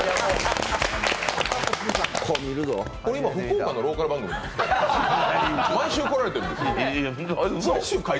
これ、今、福岡のローカル番組なんですか？